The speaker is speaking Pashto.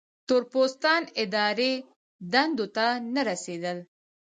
تور پوستان اداري دندو ته نه رسېدل.